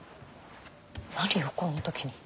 何よこんな時に。